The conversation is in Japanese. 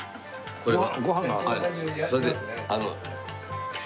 これは！